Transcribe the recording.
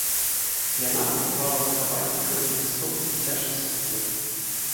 Яна працавала выхавацелькай у мясцовым дзіцячым садку.